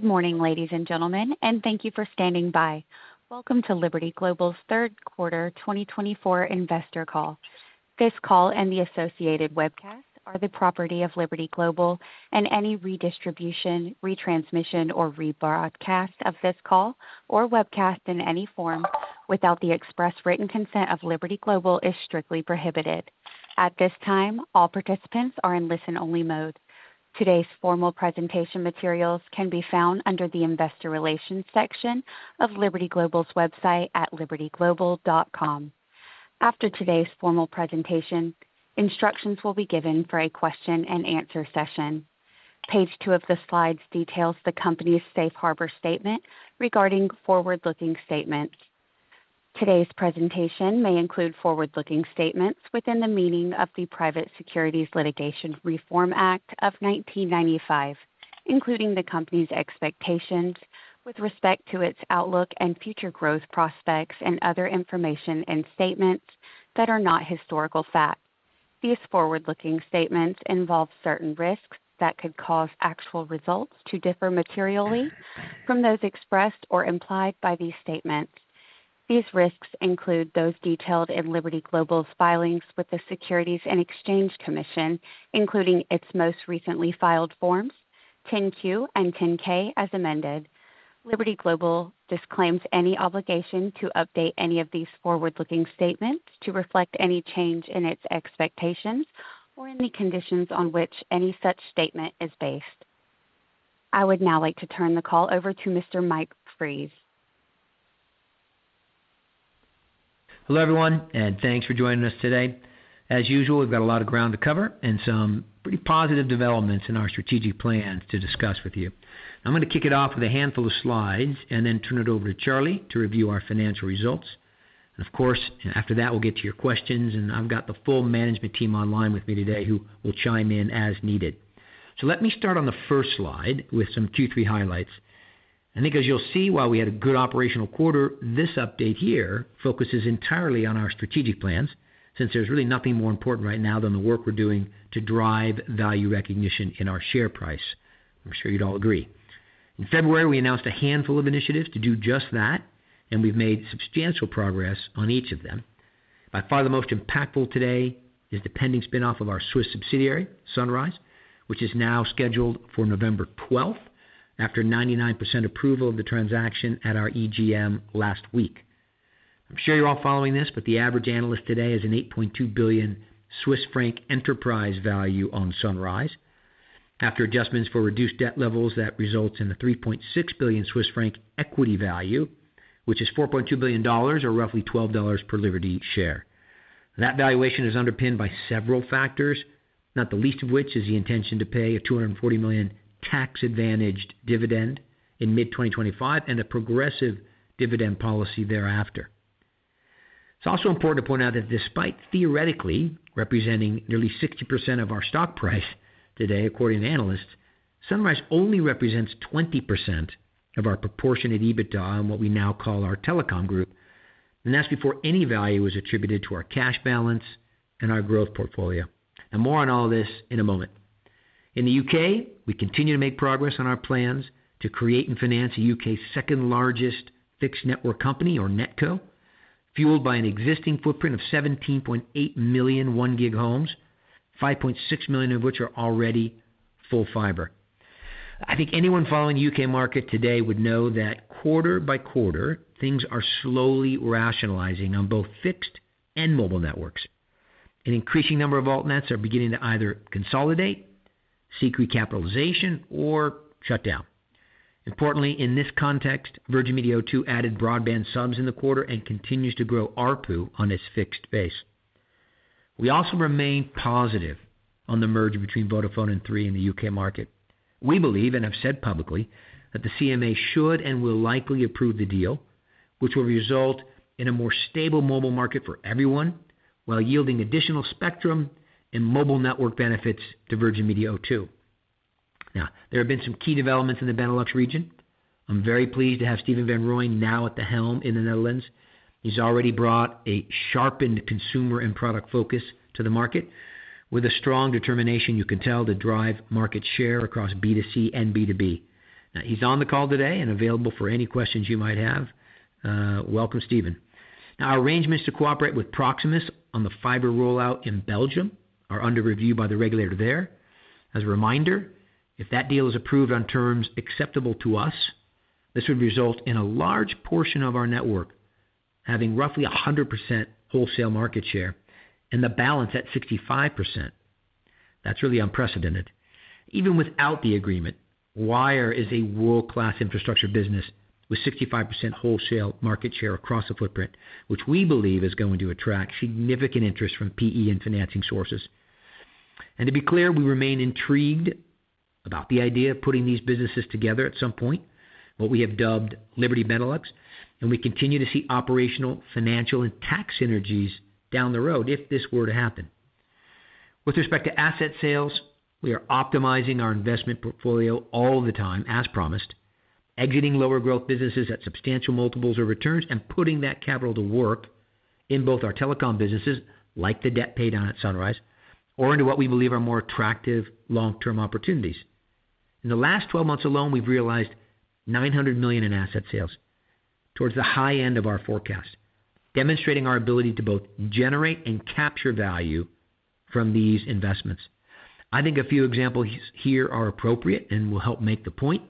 Good morning, ladies and gentlemen, and thank you for standing by. Welcome to Liberty Global's third quarter 2024 investor call. This call and the associated webcast are the property of Liberty Global, and any redistribution, retransmission, or rebroadcast of this call or webcast in any form without the express written consent of Liberty Global is strictly prohibited. At this time, all participants are in listen-only mode. Today's formal presentation materials can be found under the investor relations section of Liberty Global's website at libertyglobal.com. After today's formal presentation, instructions will be given for a question-and-answer session. Page two of the slides details the company's safe harbor statement regarding forward-looking statements. Today's presentation may include forward-looking statements within the meaning of the Private Securities Litigation Reform Act of 1995, including the company's expectations with respect to its outlook and future growth prospects, and other information and statements that are not historical fact. These forward-looking statements involve certain risks that could cause actual results to differ materially from those expressed or implied by these statements. These risks include those detailed in Liberty Global's filings with the Securities and Exchange Commission, including its most recently filed forms, 10-Q and 10-K as amended. Liberty Global disclaims any obligation to update any of these forward-looking statements to reflect any change in its expectations or in the conditions on which any such statement is based. I would now like to turn the call over to Mr. Mike Fries. Hello, everyone, and thanks for joining us today. As usual, we've got a lot of ground to cover and some pretty positive developments in our strategic plans to discuss with you. I'm going to kick it off with a handful of slides and then turn it over to Charlie to review our financial results, and of course, after that, we'll get to your questions, and I've got the full management team online with me today who will chime in as needed, so let me start on the first slide with some Q3 highlights. I think, as you'll see, while we had a good operational quarter, this update here focuses entirely on our strategic plans since there's really nothing more important right now than the work we're doing to drive value recognition in our share price. I'm sure you'd all agree. In February, we announced a handful of initiatives to do just that, and we've made substantial progress on each of them. By far, the most impactful today is the pending spinoff of our Swiss subsidiary, Sunrise, which is now scheduled for November 12th after 99% approval of the transaction at our EGM last week. I'm sure you're all following this, but the average analyst today is an 8.2 billion Swiss franc enterprise value on Sunrise, after adjustments for reduced debt levels that result in a 3.6 billion Swiss franc equity value, which is $4.2 billion, or roughly $12 per Liberty share. That valuation is underpinned by several factors, not the least of which is the intention to pay a 240 million tax-advantaged dividend in mid-2025 and a progressive dividend policy thereafter. It's also important to point out that despite theoretically representing nearly 60% of our stock price today, according to analysts, Sunrise only represents 20% of our proportionate EBITDA on what we now call our telecom group, and that's before any value is attributed to our cash balance and our growth portfolio, and more on all of this in a moment. In the UK, we continue to make progress on our plans to create and finance the UK's second-largest fixed network company, or NetCo, fueled by an existing footprint of 17.8 million 1-gig homes, 5.6 million of which are already full fiber. I think anyone following the UK market today would know that quarter by quarter, things are slowly rationalizing on both fixed and mobile networks. An increasing number of altnets are beginning to either consolidate, seek recapitalization, or shut down. Importantly, in this context, Virgin Media O2 added broadband subs in the quarter and continues to grow ARPU on its fixed base. We also remain positive on the merger between Vodafone and Three in the U.K. market. We believe, and have said publicly, that the CMA should and will likely approve the deal, which will result in a more stable mobile market for everyone while yielding additional spectrum and mobile network benefits to Virgin Media O2. Now, there have been some key developments in the Benelux region. I'm very pleased to have Stephen van Rooyen now at the helm in the Netherlands. He's already brought a sharpened consumer and product focus to the market with a strong determination, you can tell, to drive market share across B2C and B2B. Now, he's on the call today and available for any questions you might have. Welcome, Stephen. Our arrangements to cooperate with Proximus on the fiber rollout in Belgium are under review by the regulator there. As a reminder, if that deal is approved on terms acceptable to us, this would result in a large portion of our network having roughly 100% wholesale market share and the balance at 65%. That's really unprecedented. Even without the agreement, Telenet is a world-class infrastructure business with 65% wholesale market share across the footprint, which we believe is going to attract significant interest from PE and financing sources. And to be clear, we remain intrigued about the idea of putting these businesses together at some point, what we have dubbed Liberty Benelux, and we continue to see operational, financial, and tax synergies down the road if this were to happen. With respect to asset sales, we are optimizing our investment portfolio all the time, as promised, exiting lower-growth businesses at substantial multiples or returns, and putting that capital to work in both our telecom businesses, like the debt paydown at Sunrise, or into what we believe are more attractive long-term opportunities. In the last 12 months alone, we've realized $900 million in asset sales towards the high end of our forecast, demonstrating our ability to both generate and capture value from these investments. I think a few examples here are appropriate and will help make the point.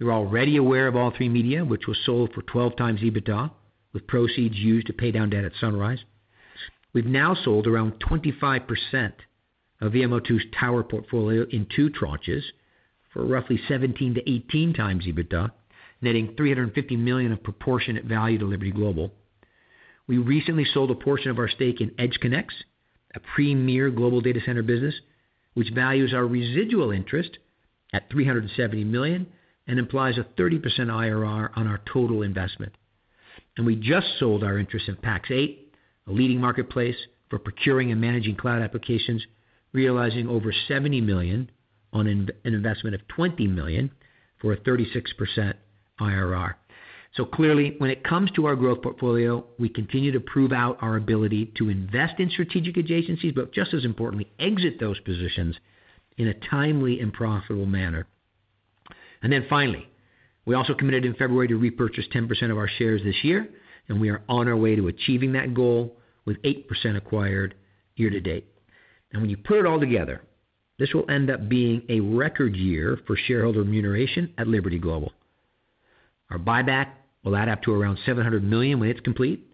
You're already aware of All3Media, which was sold for 12 times EBITDA with proceeds used to pay down debt at Sunrise. We've now sold around 25% of VMO2's tower portfolio in two tranches for roughly 17-18 times EBITDA, netting $350 million of proportionate value to Liberty Global. We recently sold a portion of our stake in EdgeConneX, a premier global data center business, which values our residual interest at $370 million and implies a 30% IRR on our total investment. And we just sold our interest in Pax8, a leading marketplace for procuring and managing cloud applications, realizing over $70 million on an investment of $20 million for a 36% IRR. So clearly, when it comes to our growth portfolio, we continue to prove out our ability to invest in strategic adjacencies, but just as importantly, exit those positions in a timely and profitable manner. And then finally, we also committed in February to repurchase 10% of our shares this year, and we are on our way to achieving that goal with 8% acquired year to date. When you put it all together, this will end up being a record year for shareholder remuneration at Liberty Global. Our buyback will add up to around $700 million when it's complete.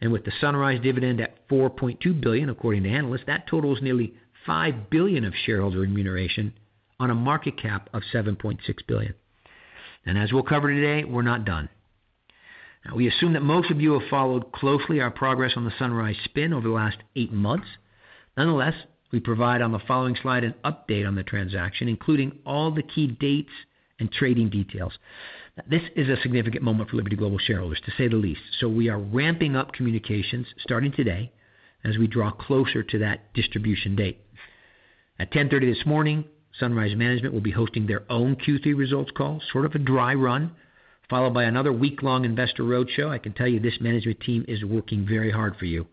And with the Sunrise dividend at $4.2 billion, according to analysts, that totals nearly $5 billion of shareholder remuneration on a market cap of $7.6 billion. And as we'll cover today, we're not done. Now, we assume that most of you have followed closely our progress on the Sunrise spin over the last eight months. Nonetheless, we provide on the following slide an update on the transaction, including all the key dates and trading details. This is a significant moment for Liberty Global shareholders, to say the least. So we are ramping up communications starting today as we draw closer to that distribution date. At 10:30 A.M. this morning, Sunrise Management will be hosting their own Q3 results call, sort of a dry run, followed by another week-long investor roadshow. I can tell you this management team is working very hard for you.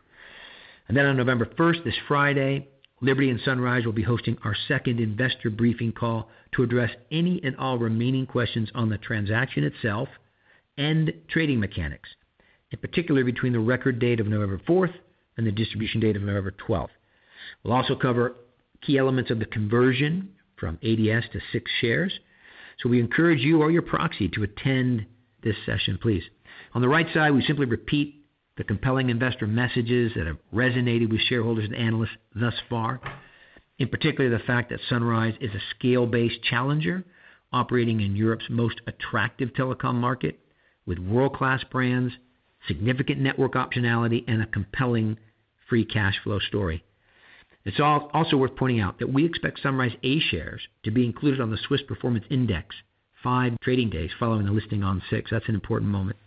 And then on November 1st, this Friday, Liberty and Sunrise will be hosting our second investor briefing call to address any and all remaining questions on the transaction itself and trading mechanics, in particular between the record date of November 4th and the distribution date of November 12th. We'll also cover key elements of the conversion from ADS to six shares. So we encourage you or your proxy to attend this session, please. On the right side, we simply repeat the compelling investor messages that have resonated with shareholders and analysts thus far, in particular the fact that Sunrise is a scale-based challenger operating in Europe's most attractive telecom market with world-class brands, significant network optionality, and a compelling free cash flow story. It's also worth pointing out that we expect Sunrise A shares to be included on the Swiss Performance Index five trading days following the listing on the 6th. That's an important moment.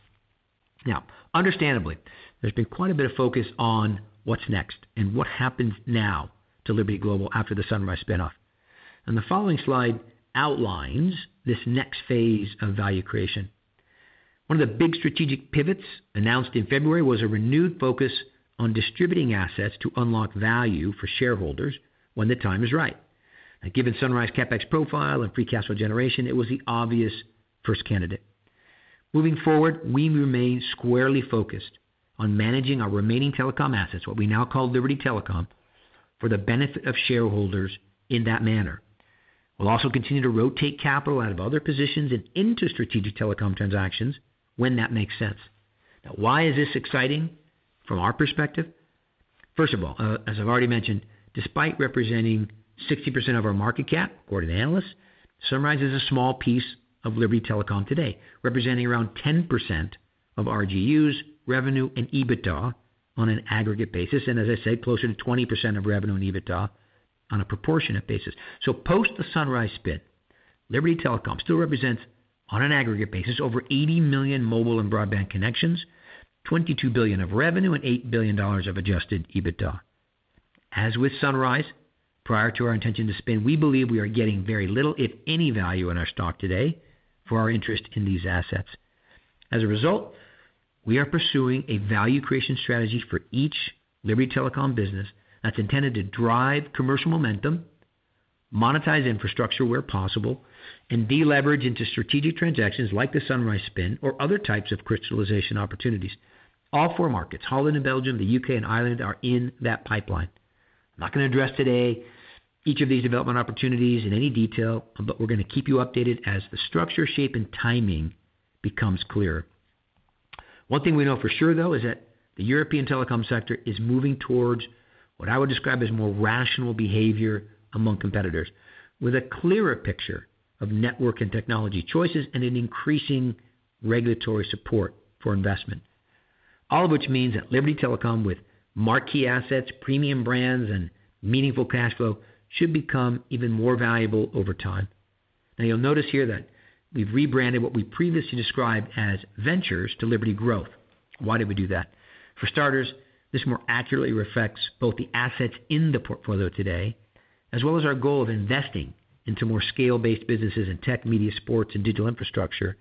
Now, understandably, there's been quite a bit of focus on what's next and what happens now to Liberty Global after the Sunrise spinoff, and the following slide outlines this next phase of value creation. One of the big strategic pivots announced in February was a renewed focus on distributing assets to unlock value for shareholders when the time is right. Given Sunrise CapEx profile and free cash flow generation, it was the obvious first candidate. Moving forward, we remain squarely focused on managing our remaining telecom assets, what we now call Liberty Telecom, for the benefit of shareholders in that manner. We'll also continue to rotate capital out of other positions and into strategic telecom transactions when that makes sense. Now, why is this exciting from our perspective? First of all, as I've already mentioned, despite representing 60% of our market cap, according to analysts, Sunrise is a small piece of Liberty Telecom today, representing around 10% of RGU's revenue and EBITDA on an aggregate basis. And as I said, closer to 20% of revenue and EBITDA on a proportionate basis. So post the Sunrise spin, Liberty Telecom still represents, on an aggregate basis, over 80 million mobile and broadband connections, $22 billion of revenue, and $8 billion of adjusted EBITDA. As with Sunrise, prior to our intention to spin, we believe we are getting very little, if any, value in our stock today for our interest in these assets. As a result, we are pursuing a value creation strategy for each Liberty Telecom business that's intended to drive commercial momentum, monetize infrastructure where possible, and deleverage into strategic transactions like the Sunrise spin or other types of crystallization opportunities. All four markets, Holland and Belgium, the UK and Ireland, are in that pipeline. I'm not going to address today each of these development opportunities in any detail, but we're going to keep you updated as the structure, shape, and timing becomes clearer. One thing we know for sure, though, is that the European telecom sector is moving towards what I would describe as more rational behavior among competitors, with a clearer picture of network and technology choices and an increasing regulatory support for investment, all of which means that Liberty Telecom, with marquee assets, premium brands, and meaningful cash flow, should become even more valuable over time. Now, you'll notice here that we've rebranded what we previously described as ventures to Liberty Growth. Why did we do that? For starters, this more accurately reflects both the assets in the portfolio today as well as our goal of investing into more scale-based businesses in tech, media, sports, and digital infrastructure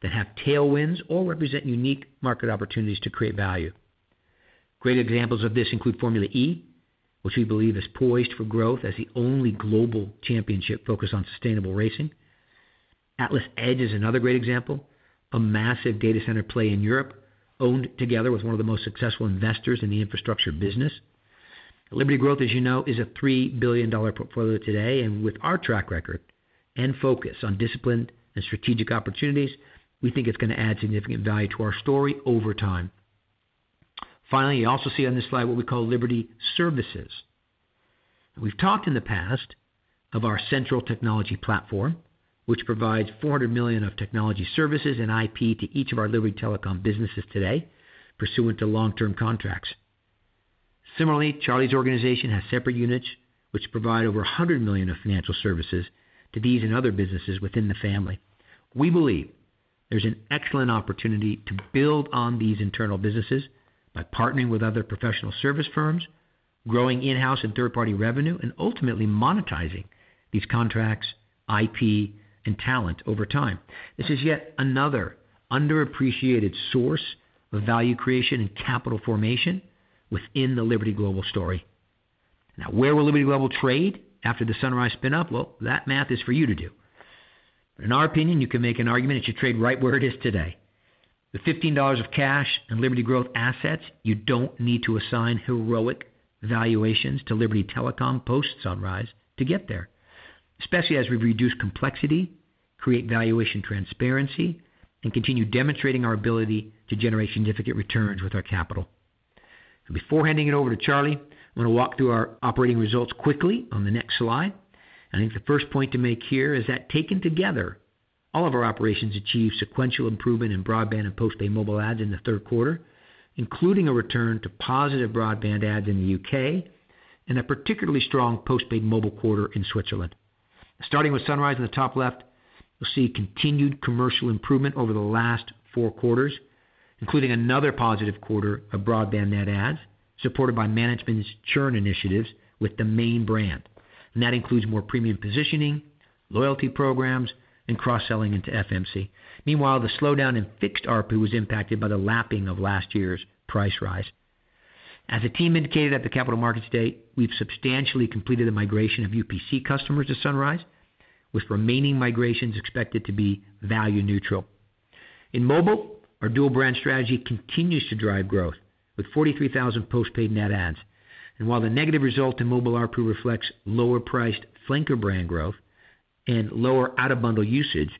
that have tailwinds or represent unique market opportunities to create value. Great examples of this include Formula E, which we believe is poised for growth as the only global championship focused on sustainable racing. AtlasEdge is another great example, a massive data center play in Europe owned together with one of the most successful investors in the infrastructure business. Liberty Growth, as you know, is a $3 billion portfolio today. And with our track record and focus on disciplined and strategic opportunities, we think it's going to add significant value to our story over time. Finally, you also see on this slide what we call Liberty Services. We've talked in the past of our central technology platform, which provides $400 million of technology services and IP to each of our Liberty Telecom businesses today, pursuant to long-term contracts. Similarly, Charlie's organization has separate units, which provide over $100 million of financial services to these and other businesses within the family. We believe there's an excellent opportunity to build on these internal businesses by partnering with other professional service firms, growing in-house and third-party revenue, and ultimately monetizing these contracts, IP, and talent over time. This is yet another underappreciated source of value creation and capital formation within the Liberty Global story. Now, where will Liberty Global trade after the Sunrise spin-up? Well, that math is for you to do. In our opinion, you can make an argument that you trade right where it is today. With $15 of cash and Liberty Growth assets, you don't need to assign heroic valuations to Liberty Telecom post Sunrise to get there, especially as we've reduced complexity, create valuation transparency, and continue demonstrating our ability to generate significant returns with our capital. Before handing it over to Charlie, I'm going to walk through our operating results quickly on the next slide. I think the first point to make here is that taken together, all of our operations achieved sequential improvement in broadband and postpaid mobile adds in the third quarter, including a return to positive broadband adds in the U.K. and a particularly strong postpaid mobile quarter in Switzerland. Starting with Sunrise in the top left, you'll see continued commercial improvement over the last four quarters, including another positive quarter of broadband net adds supported by management's churn initiatives with the main brand. And that includes more premium positioning, loyalty programs, and cross-selling into FMC. Meanwhile, the slowdown in fixed ARPU was impacted by the lapping of last year's price rise. As the team indicated at the Capital Markets Day, we've substantially completed the migration of UPC customers to Sunrise, with remaining migrations expected to be value neutral. In mobile, our dual-brand strategy continues to drive growth with 43,000 postpaid net adds. And while the negative result in mobile ARPU reflects lower-priced flanker brand growth and lower out-of-bundle usage,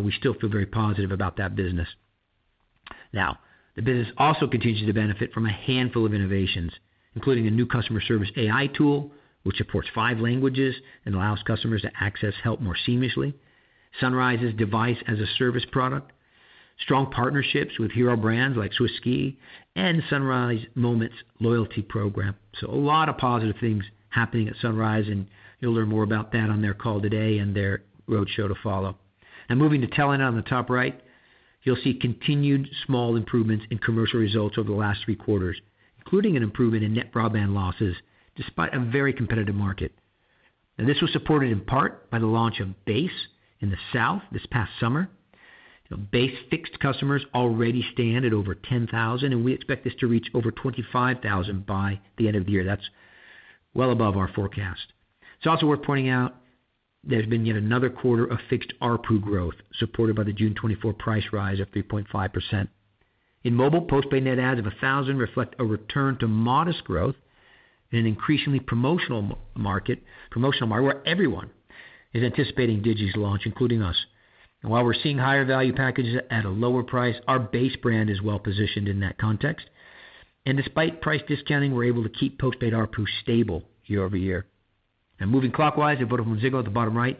we still feel very positive about that business. Now, the business also continues to benefit from a handful of innovations, including a new customer service AI tool, which supports five languages and allows customers to access help more seamlessly. Sunrise's device-as-a-service product, strong partnerships with hero brands like Swiss-Ski and Sunrise Moments loyalty program. So a lot of positive things happening at Sunrise, and you'll learn more about that on their call today and their roadshow to follow. And moving to Telenet on the top right, you'll see continued small improvements in commercial results over the last three quarters, including an improvement in net broadband losses despite a very competitive market. This was supported in part by the launch of Base in the South this past summer. Base fixed customers already stand at over 10,000, and we expect this to reach over 25,000 by the end of the year. That's well above our forecast. It's also worth pointing out there's been yet another quarter of fixed ARPU growth supported by the June 2024 price rise of 3.5%. In mobile, postpaid net adds of 1,000 reflect a return to modest growth in an increasingly promotional market where everyone is anticipating Digi's launch, including us. While we're seeing higher value packages at a lower price, our Base brand is well positioned in that context. Despite price discounting, we're able to keep postpaid ARPU stable year over year. Moving clockwise at VodafoneZiggo at the bottom right,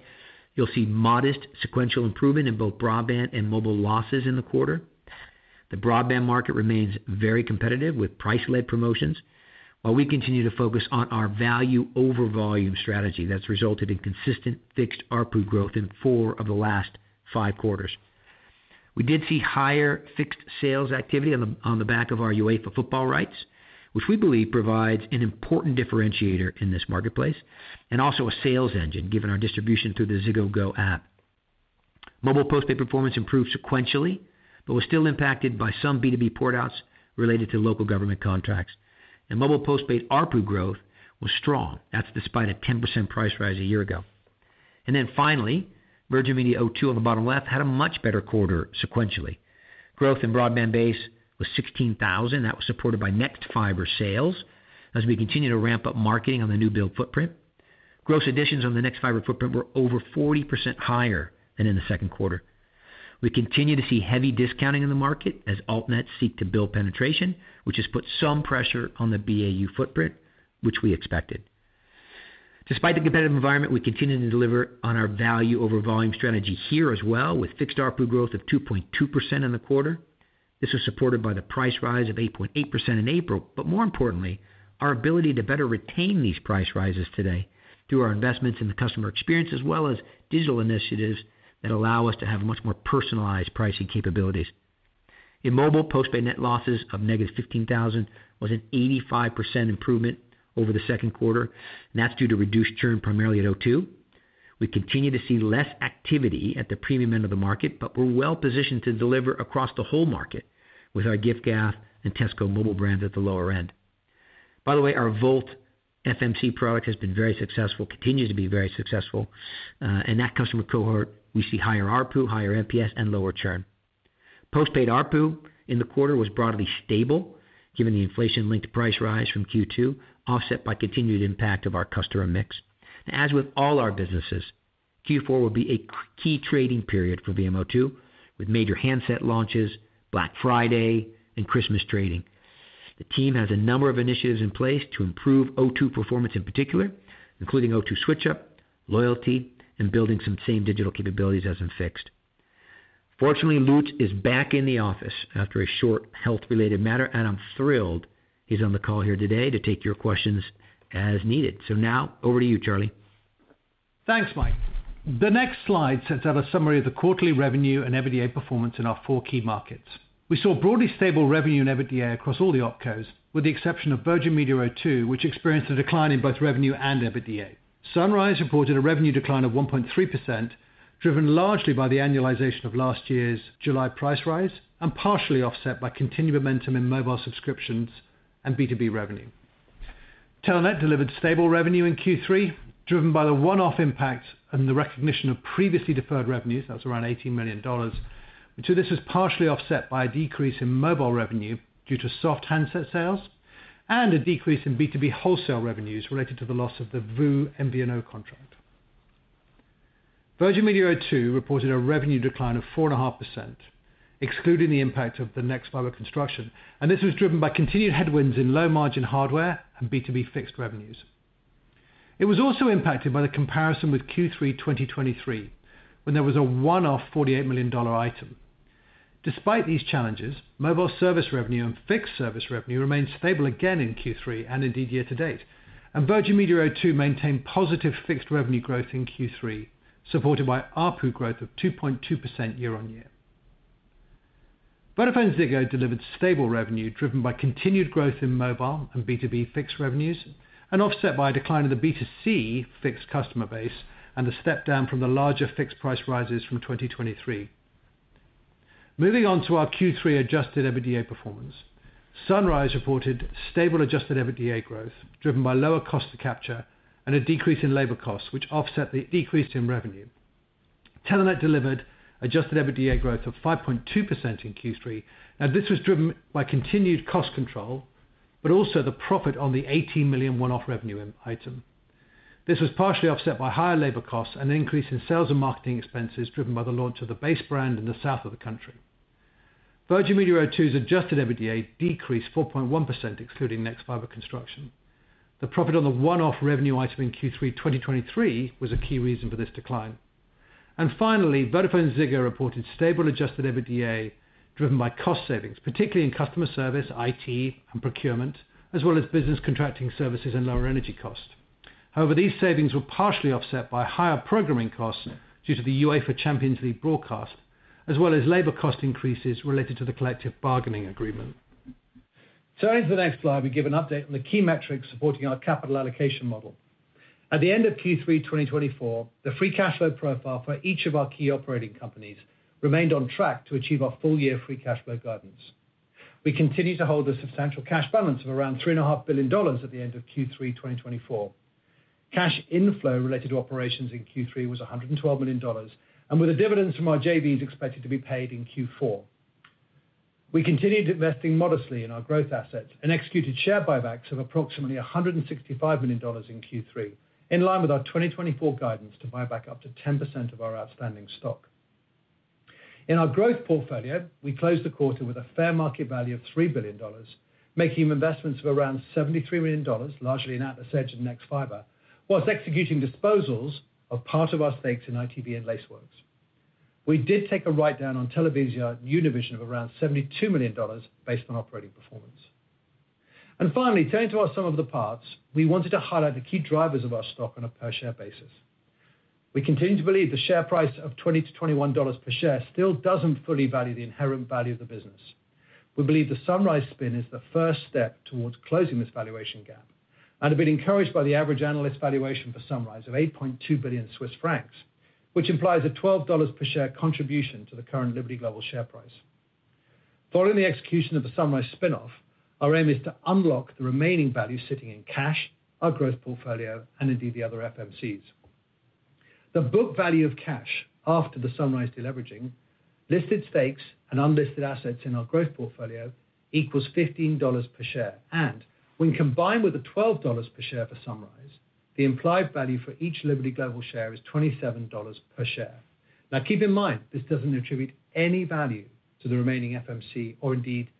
you'll see modest sequential improvement in both broadband and mobile losses in the quarter. The broadband market remains very competitive with price-led promotions while we continue to focus on our value over volume strategy that's resulted in consistent fixed ARPU growth in four of the last five quarters. We did see higher fixed sales activity on the back of our UEFA football rights, which we believe provides an important differentiator in this marketplace and also a sales engine given our distribution through the Ziggo GO app. Mobile postpaid performance improved sequentially, but was still impacted by some B2B port-outs related to local government contracts. Mobile postpaid ARPU growth was strong. That's despite a 10% price rise a year ago. Then finally, Virgin Media O2 on the bottom left had a much better quarter sequentially. Growth in broadband base was 16,000. That was supported by Nexfibre sales as we continue to ramp up marketing on the new build footprint. Gross additions on the Nexfibre footprint were over 40% higher than in the second quarter. We continue to see heavy discounting in the market as altnets seek to build penetration, which has put some pressure on the BAU footprint, which we expected. Despite the competitive environment, we continue to deliver on our value over volume strategy here as well, with fixed ARPU growth of 2.2% in the quarter. This was supported by the price rise of 8.8% in April. But more importantly, our ability to better retain these price rises today through our investments in the customer experience as well as digital initiatives that allow us to have much more personalized pricing capabilities. In mobile, postpaid net losses of -15,000 was an 85% improvement over the second quarter, and that's due to reduced churn primarily at O2. We continue to see less activity at the premium end of the market, but we're well positioned to deliver across the whole market with our giffgaff and Tesco Mobile brands at the lower end. By the way, our Volt FMC product has been very successful, continues to be very successful, and that customer cohort, we see higher ARPU, higher NPS, and lower churn. Postpaid ARPU in the quarter was broadly stable given the inflation-linked price rise from Q2, offset by continued impact of our customer mix. As with all our businesses, Q4 will be a key trading period for VMO2 with major handset launches, Black Friday, and Christmas trading. The team has a number of initiatives in place to improve O2 performance in particular, including O2 Switch Up, loyalty, and building some same digital capabilities as in fixed. Fortunately, Lutz is back in the office after a short health-related matter, and I'm thrilled he's on the call here today to take your questions as needed. So now over to you, Charlie. Thanks, Mike. The next slide sets out a summary of the quarterly revenue and EBITDA performance in our four key markets. We saw broadly stable revenue and EBITDA across all the opcos, with the exception of Virgin Media O2, which experienced a decline in both revenue and EBITDA. Sunrise reported a revenue decline of 1.3%, driven largely by the annualization of last year's July price rise and partially offset by continued momentum in mobile subscriptions and B2B revenue. Telenet delivered stable revenue in Q3, driven by the one-off impact and the recognition of previously deferred revenues. That was around $18 million. This was partially offset by a decrease in mobile revenue due to soft handset sales and a decrease in B2B wholesale revenues related to the loss of the VOO MVNO contract. Virgin Media O2 reported a revenue decline of 4.5%, excluding the impact of the nexfibre construction, and this was driven by continued headwinds in low-margin hardware and B2B fixed revenues. It was also impacted by the comparison with Q3 2023, when there was a one-off $48 million item. Despite these challenges, mobile service revenue and fixed service revenue remained stable again in Q3 and indeed year to date, and Virgin Media O2 maintained positive fixed revenue growth in Q3, supported by ARPU growth of 2.2% year on year. VodafoneZiggo delivered stable revenue driven by continued growth in mobile and B2B fixed revenues and offset by a decline in the B2C fixed customer base and the step down from the larger fixed price rises from 2023. Moving on to our Q3 adjusted EBITDA performance, Sunrise reported stable adjusted EBITDA growth driven by lower cost to capture and a decrease in labor costs, which offset the decrease in revenue. Telenet delivered adjusted EBITDA growth of 5.2% in Q3. Now, this was driven by continued cost control, but also the profit on the $18 million one-off revenue item. This was partially offset by higher labor costs and an increase in sales and marketing expenses driven by the launch of the Base brand in the south of the country. Virgin Media O2's adjusted EBITDA decreased 4.1%, excluding nexfibre construction. The profit on the one-off revenue item in Q3 2023 was a key reason for this decline. Finally, VodafoneZiggo reported stable adjusted EBITDA driven by cost savings, particularly in customer service, IT, and procurement, as well as business contracting services and lower energy costs. However, these savings were partially offset by higher programming costs due to the UEFA Champions League broadcast, as well as labor cost increases related to the collective bargaining agreement. Turning to the next slide, we give an update on the key metrics supporting our capital allocation model. At the end of Q3 2024, the free cash flow profile for each of our key operating companies remained on track to achieve our full-year free cash flow guidance. We continue to hold a substantial cash balance of around $3.5 billion at the end of Q3 2024. Cash inflow related to operations in Q3 was $112 million, and with the dividends from our JVs expected to be paid in Q4. We continued investing modestly in our growth assets and executed share buybacks of approximately $165 million in Q3, in line with our 2024 guidance to buy back up to 10% of our outstanding stock. In our growth portfolio, we closed the quarter with a fair market value of $3 billion, making investments of around $73 million, largely in the surge in nexfibre, while executing disposals of part of our stakes in ITV and Lacework. We did take a write-down on Televisa and Univision of around $72 million based on operating performance. Finally, turning to our sum of the parts, we wanted to highlight the key drivers of our stock on a per-share basis. We continue to believe the share price of $20-$21 per share still doesn't fully value the inherent value of the business. We believe the Sunrise spin is the first step towards closing this valuation gap and have been encouraged by the average analyst valuation for Sunrise of 8.2 billion Swiss francs, which implies a $12 per share contribution to the current Liberty Global share price. Following the execution of the Sunrise spinoff, our aim is to unlock the remaining value sitting in cash, our growth portfolio, and indeed the other FMCs. The book value of cash after the Sunrise deleveraging, listed stakes, and unlisted assets in our growth portfolio equals $15 per share. And when combined with the $12 per share for Sunrise, the implied value for each Liberty Global share is $27 per share. Now, keep in mind, this doesn't attribute any value to the remaining FMC or indeed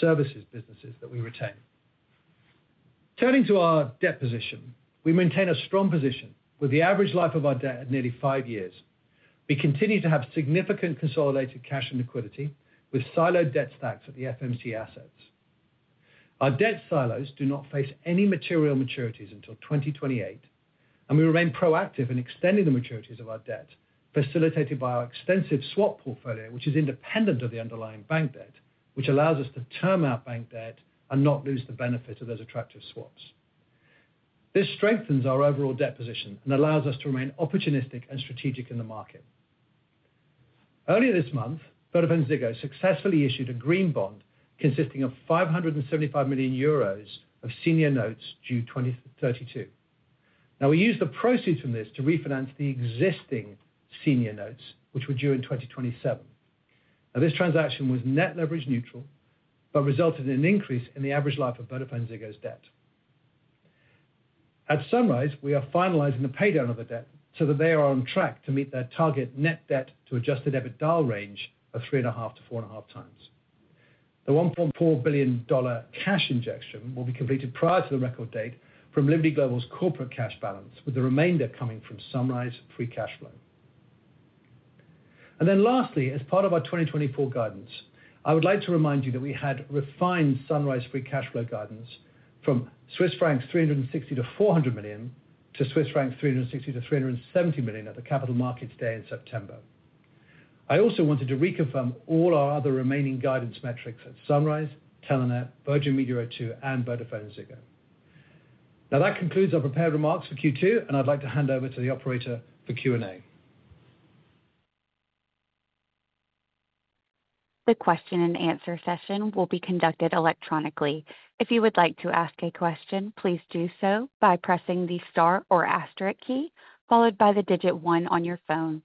services businesses that we retain. Turning to our debt position, we maintain a strong position with the average life of our debt at nearly five years. We continue to have significant consolidated cash and liquidity with siloed debt stacks at the FMC assets. Our debt silos do not face any material maturities until 2028, and we remain proactive in extending the maturities of our debt, facilitated by our extensive swap portfolio, which is independent of the underlying bank debt, which allows us to term out bank debt and not lose the benefit of those attractive swaps. This strengthens our overall debt position and allows us to remain opportunistic and strategic in the market. Earlier this month, VodafoneZiggo successfully issued a green bond consisting of 575 million euros of senior notes due 2032. Now, we use the proceeds from this to refinance the existing senior notes, which were due in 2027. Now, this transaction was net leverage neutral, but resulted in an increase in the average life of VodafoneZiggo's debt. At Sunrise, we are finalizing the paydown of the debt so that they are on track to meet their target net debt to adjusted EBITDA range of three and a half to four and a half times. The $1.4 billion cash injection will be completed prior to the record date from Liberty Global's corporate cash balance, with the remainder coming from Sunrise free cash flow, and then lastly, as part of our 2024 guidance, I would like to remind you that we had refined Sunrise free cash flow guidance from Swiss francs 360-400 million to Swiss francs 360-370 million at the Capital Markets Day in September. I also wanted to reconfirm all our other remaining guidance metrics at Sunrise, Telenet, Virgin Media O2, and VodafoneZiggo. Now, that concludes our prepared remarks for Q2, and I'd like to hand over to the operator for Q&A. The question and answer session will be conducted electronically. If you would like to ask a question, please do so by pressing the star or asterisk key followed by the digit one on your phone.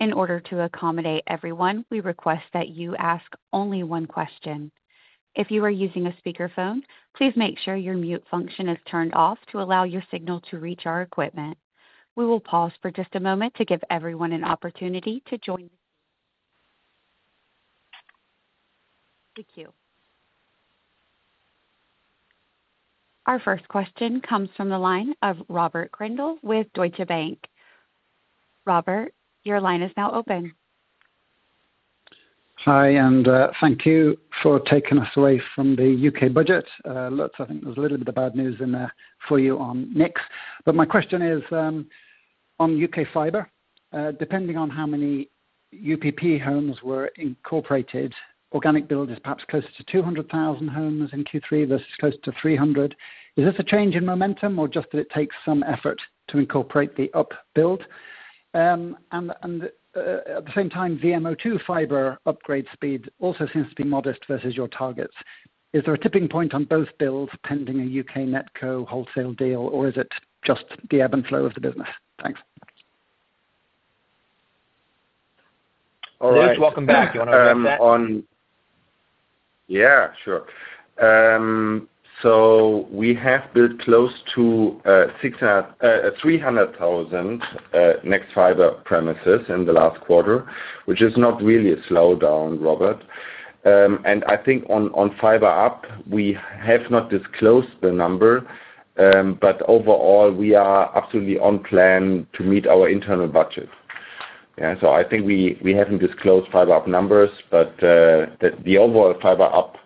In order to accommodate everyone, we request that you ask only one question. If you are using a speakerphone, please make sure your mute function is turned off to allow your signal to reach our equipment. We will pause for just a moment to give everyone an opportunity to join the queue. Our first question comes from the line of Robert Grindle with Deutsche Bank. Robert, your line is now open. Hi, and thank you for taking us away from the UK budget. Lutz, I think there's a little bit of bad news in there for you on NICs. But my question is, on UK fiber, depending on how many Upp homes were incorporated, organic build is perhaps closer to 200,000 homes in Q3 versus close to 300. Is this a change in momentum or just that it takes some effort to incorporate the Upp build? And at the same time, VMO2 fiber upgrade speed also seems to be modest versus your targets. Is there a tipping point on both builds pending a UK NetCo wholesale deal, or is it just the ebb and flow of the business? Thanks. All right. Lutz, welcome back. You want to answer that? Yeah, sure. We have built close to 300,000 nexfibre premises in the last quarter, which is not really a slowdown, Robert. And I think on Fibre Upp, we have not disclosed the number, but overall, we are absolutely on plan to meet our internal budget. Yeah, so I think we haven't disclosed Fibre Upp numbers, but the overall Fibre Upp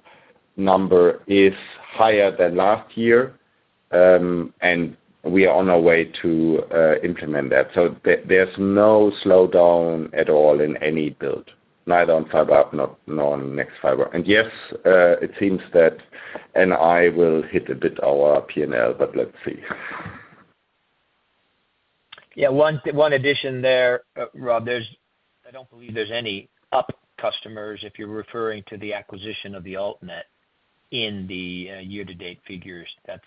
number is higher than last year, and we are on our way to implement that. So there's no slowdown at all in any build, neither on Fibre Upp nor on nexfibre. And yes, it seems that NI will hit a bit our P&L, but let's see. Yeah, one addition there, Rob. I don't believe there's any Upp customers if you're referring to the acquisition of the Alt-net in the year-to-date figures. That's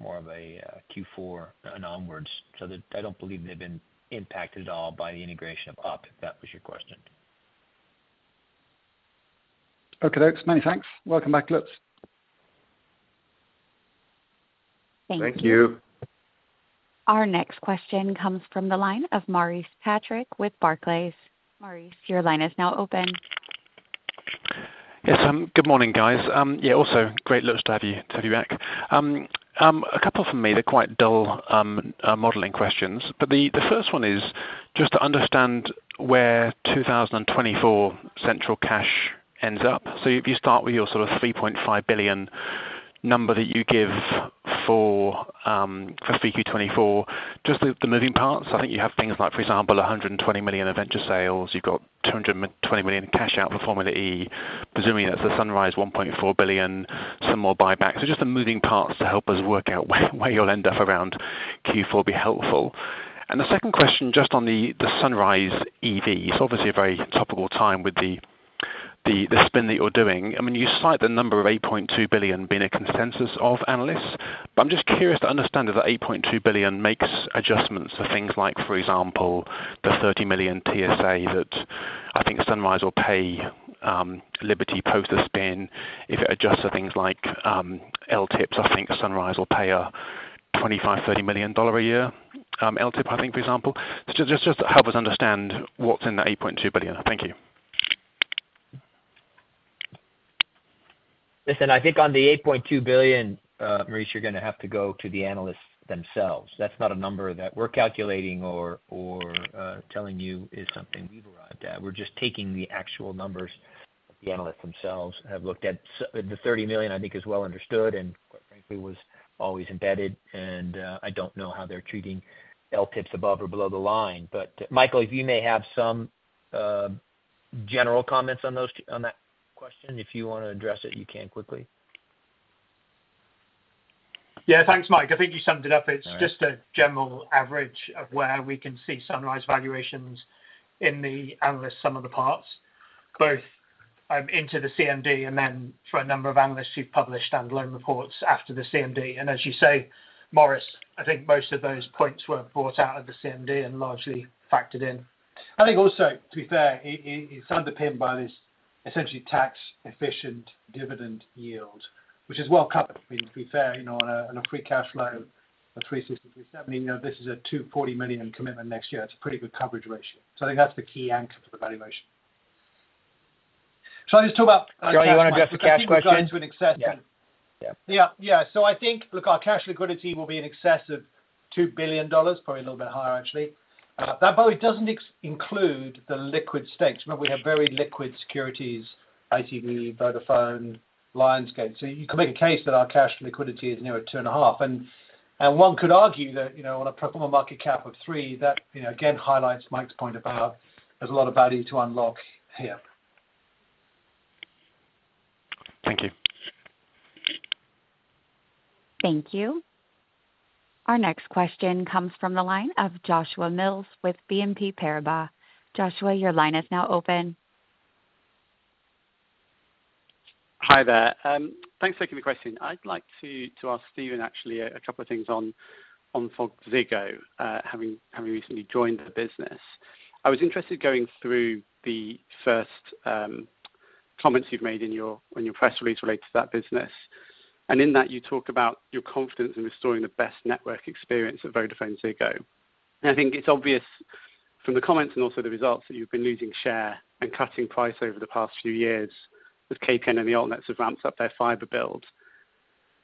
more of a Q4 and onwards. So I don't believe they've been impacted at all by the integration of Upp, if that was your question. Okay, Lutz, many thanks. Welcome back, Lutz. Thank you. Thank you. Our next question comes from the line of Maurice Patrick with Barclays. Maurice, your line is now open. Yes, good morning, guys. Yeah, also great Lutz to have you back. A couple for me, they're quite dull modeling questions, but the first one is just to understand where 2024 central cash ends up. So if you start with your sort of $3.5 billion number that you give for FQ1 24, just the moving parts, I think you have things like, for example, $120 million of venture sales, you've got $220 million cash out for Formula E. Presumably, that's the Sunrise $1.4 billion, some more buybacks. So just the moving parts to help us work out where you'll end up around Q4 would be helpful. And the second question just on the Sunrise EV, it's obviously a very topical time with the spin that you're doing. I mean, you cite the number of 8.2 billion being a consensus of analysts, but I'm just curious to understand if that 8.2 billion makes adjustments for things like, for example, the 30 million TSA that I think Sunrise will pay Liberty post-spin if it adjusts for things like LTIPs. I think Sunrise will pay a $25 million-$30 million a year LTIP, I think, for example. So just help us understand what's in that 8.2 billion. Thank you. Listen, I think on the 8.2 billion, Maurice, you're going to have to go to the analysts themselves. That's not a number that we're calculating or telling you is something we've arrived at. We're just taking the actual numbers that the analysts themselves have looked at. The 30 million, I think, is well understood and, quite frankly, was always embedded. And I don't know how they're treating LTIPs above or below the line. But Michael, if you may have some general comments on that question, if you want to address it, you can quickly. Yeah, thanks, Mike. I think you summed it up. It's just a general average of where we can see Sunrise valuations in the analysts' sum of the parts, both into the CMD and then for a number of analysts who've published standalone reports after the CMD. And as you say, Maurice, I think most of those points were brought out of the CMD and largely factored in. I think also, to be fair, it's underpinned by this essentially tax-efficient dividend yield, which is well covered. To be fair, on a free cash flow of $360 million-$370 million, this is a $240 million commitment next year. It's a pretty good coverage ratio. So I think that's the key anchor for the valuation. Shall I just talk about. Shall I just address the cash question? Yeah. Yeah. Yeah. So I think, look, our cash liquidity will be in excess of $2 billion, probably a little bit higher, actually. That probably doesn't include the liquid stakes. Remember, we have very liquid securities, ITV, Vodafone, Lionsgate. So you can make a case that our cash liquidity is nearer $2.5 billion. And one could argue that on a pro forma market cap of $3 billion, that again highlights Mike's point about there's a lot of value to unlock here. Thank you. Thank you. Our next question comes from the line of Joshua Mills with BNP Paribas. Joshua, your line is now open. Hi there. Thanks for taking the question. I'd like to ask Stephen, actually, a couple of things on VodafoneZiggo, having recently joined the business. I was interested going through the first comments you've made in your press release related to that business. And in that, you talk about your confidence in restoring the best network experience of VodafoneZiggo. And I think it's obvious from the comments and also the results that you've been losing share and cutting price over the past few years as KPN and the alnets have ramped up their fiber build.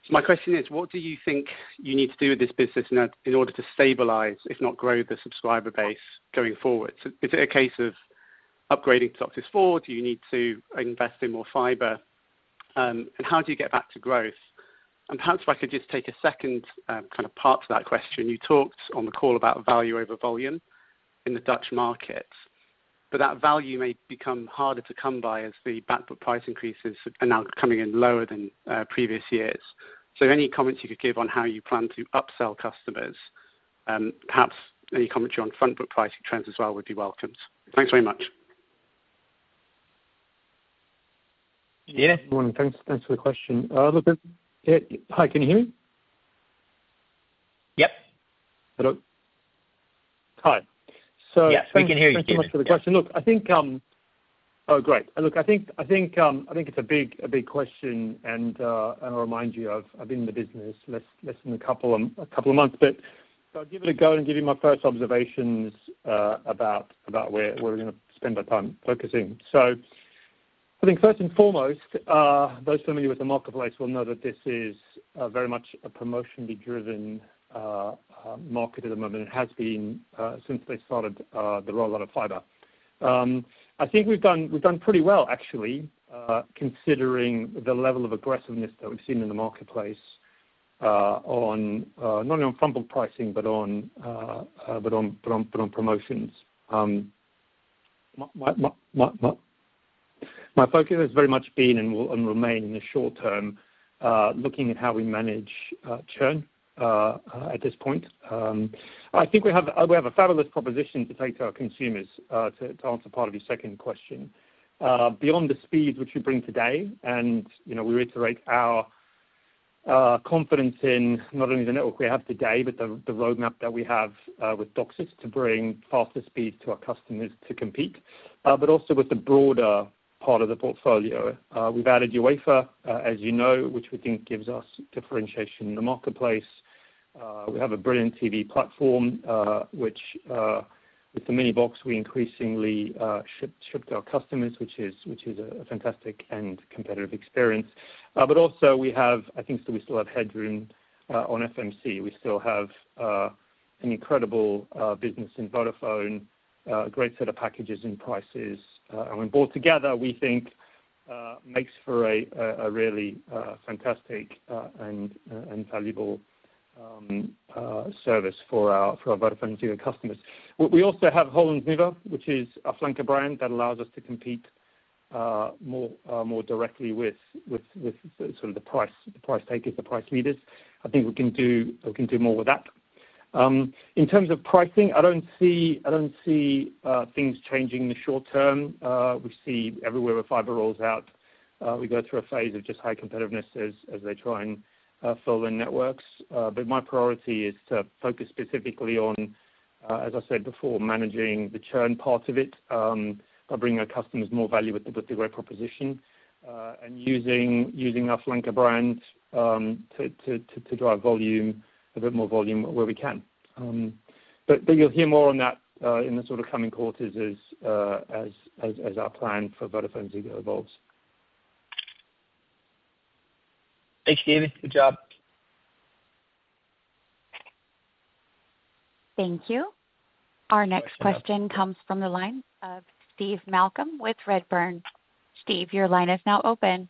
So my question is, what do you think you need to do with this business in order to stabilize, if not grow, the subscriber base going forward? Is it a case of upgrading to DOCSIS 4? Do you need to invest in more fiber? And how do you get back to growth? And perhaps if I could just take a second kind of part to that question. You talked on the call about value over volume in the Dutch market, but that value may become harder to come by as the backbook price increases are now coming in lower than previous years. So any comments you could give on how you plan to upsell customers? Perhaps any commentary on frontbook pricing trends as well would be welcomed. Thanks very much. Yeah, thanks for the question. Hi, can you hear me? Yep. Hello. Hi. So we can hear you. Thank you so much for the question. Look, I think, oh, great. Look, I think it's a big question, and I'll remind you that I've been in the business less than a couple of months. But I'll give it a go and give you my first observations about where we're going to spend our time focusing. So I think first and foremost, those familiar with the marketplace will know that this is very much a promotionally driven market at the moment. It has been since they started the rollout of fiber. I think we've done pretty well, actually, considering the level of aggressiveness that we've seen in the marketplace, not only on frontbook pricing, but on promotions. My focus has very much been and will remain in the short term, looking at how we manage churn at this point. I think we have a fabulous proposition to take to our consumers to answer part of your second question. Beyond the speed which we bring today, and we reiterate our confidence in not only the network we have today, but the roadmap that we have with DOCSIS to bring faster speeds to our customers to compete, but also with the broader part of the portfolio. We've added UEFA, as you know, which we think gives us differentiation in the marketplace. We have a brilliant TV platform, which with the mini box, we increasingly ship to our customers, which is a fantastic and competitive experience. But also we have, I think we still have headroom on FMC. We still have an incredible business in VodafoneZiggo, a great set of packages and prices. And when bought together, we think makes for a really fantastic and valuable service for our VodafoneZiggo customers. We also have Hollandsnieuwe, which is a flanker brand that allows us to compete more directly with sort of the price takers, the price leaders. I think we can do more with that. In terms of pricing, I don't see things changing in the short term. We see everywhere where fiber rolls out, we go through a phase of just high competitiveness as they try and fill in networks. But my priority is to focus specifically on, as I said before, managing the churn part of it by bringing our customers more value with the great proposition and using our flanker brand to drive volume, a bit more volume where we can. But you'll hear more on that in the sort of coming quarters as our plan for VodafoneZiggo evolves. Thanks, David. Good job. Thank you. Our next question comes from the line of Steve Malcolm with Redburn. Steve, your line is now open.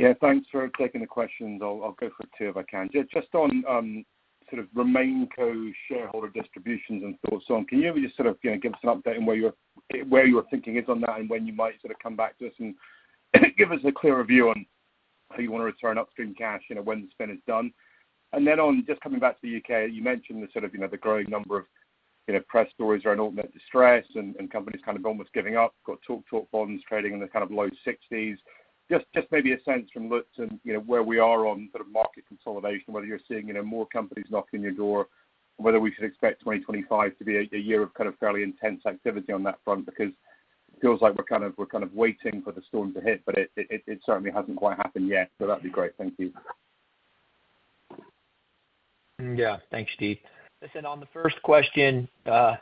Yeah, thanks for taking the questions. I'll go for two if I can. Just on sort of RemainCo shareholder distributions and thoughts on, can you just sort of give us an update on where your thinking is on that and when you might sort of come back to us and give us a clearer view on how you want to return upstream cash when the spin is done? And then on just coming back to the UK, you mentioned the sort of growing number of press stories around alt-net distress and companies kind of almost giving up, got TalkTalk bonds trading in the kind of low 60s. Just maybe a sense from Lutz on where we are on sort of market consolidation, whether you're seeing more companies knocking your door, whether we should expect 2025 to be a year of kind of fairly intense activity on that front because it feels like we're kind of waiting for the storm to hit, but it certainly hasn't quite happened yet. So that'd be great. Thank you. Yeah. Thanks, Steve. Listen, on the first question, I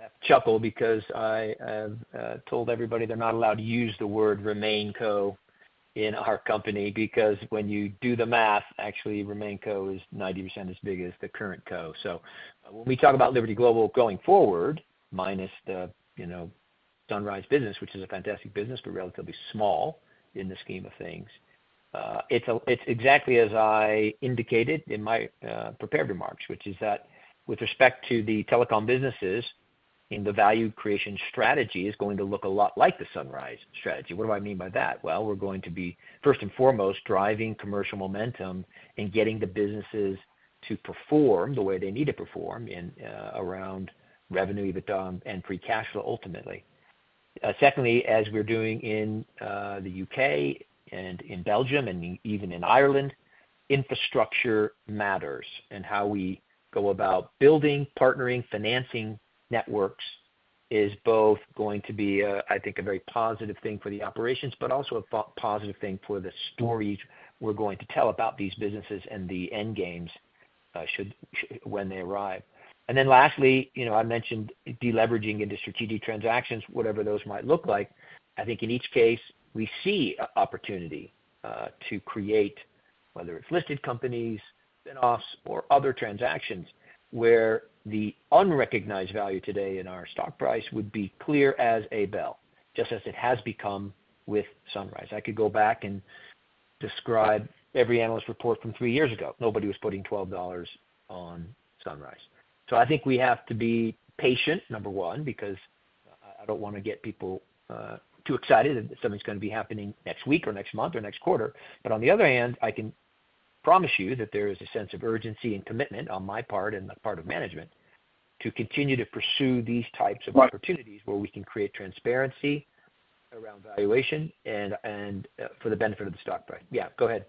have to chuckle because I have told everybody they're not allowed to use the word RemainCo in our company because when you do the math, actually, RemainCo is 90% as big as the current Co. So when we talk about Liberty Global going forward, minus the Sunrise business, which is a fantastic business, but relatively small in the scheme of things, it's exactly as I indicated in my prepared remarks, which is that with respect to the telecom businesses, the value creation strategy is going to look a lot like the Sunrise strategy. What do I mean by that? Well, we're going to be, first and foremost, driving commercial momentum and getting the businesses to perform the way they need to perform around revenue and free cash flow ultimately. Secondly, as we're doing in the UK and in Belgium and even in Ireland, infrastructure matters. And how we go about building, partnering, financing networks is both going to be, I think, a very positive thing for the operations, but also a positive thing for the stories we're going to tell about these businesses and the end games when they arrive, and then lastly, I mentioned deleveraging into strategic transactions, whatever those might look like. I think in each case, we see opportunity to create, whether it's listed companies, spinoffs, or other transactions where the unrecognized value today in our stock price would be clear as a bell, just as it has become with Sunrise. I could go back and describe every analyst report from three years ago. Nobody was putting $12 on Sunrise. So I think we have to be patient, number one, because I don't want to get people too excited that something's going to be happening next week or next month or next quarter. But on the other hand, I can promise you that there is a sense of urgency and commitment on my part and the part of management to continue to pursue these types of opportunities where we can create transparency around valuation and for the benefit of the stock price. Yeah, go ahead.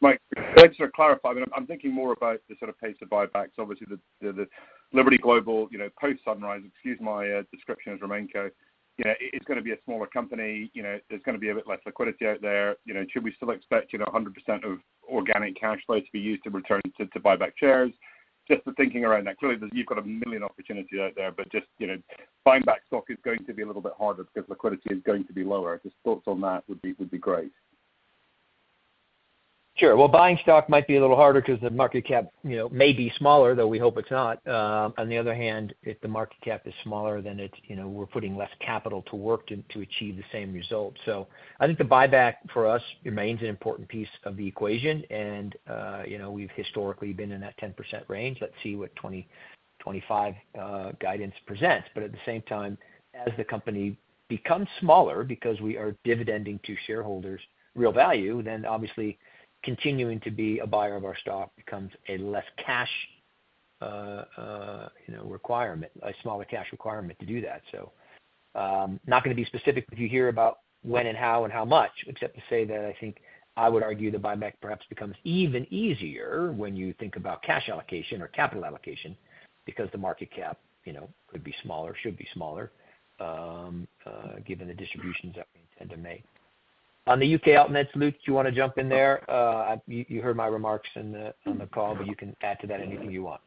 Mike, thanks for clarifying. I'm thinking more about the sort of pace of buybacks. Obviously, the Liberty Global post-Sunrise, excuse my description as RemainCo, is going to be a smaller company. There's going to be a bit less liquidity out there. Should we still expect 100% of organic cash flow to be used to return to buyback shares? Just the thinking around that. Clearly, you've got a million opportunities out there, but just buying back stock is going to be a little bit harder because liquidity is going to be lower. Just thoughts on that would be great. Sure. Well, buying stock might be a little harder because the market cap may be smaller, though we hope it's not. On the other hand, if the market cap is smaller, then we're putting less capital to work to achieve the same result. So I think the buyback for us remains an important piece of the equation. And we've historically been in that 10% range. Let's see what 2025 guidance presents. But at the same time, as the company becomes smaller because we are dividending to shareholders real value, then obviously continuing to be a buyer of our stock becomes a less cash requirement, a smaller cash requirement to do that. So not going to be specific if you hear about when and how and how much, except to say that I think I would argue the buyback perhaps becomes even easier when you think about cash allocation or capital allocation because the market cap could be smaller, should be smaller, given the distributions that we intend to make. On the U.K. AltNets, Lutz, do you want to jump in there? You heard my remarks on the call, but you can add to that anything you want.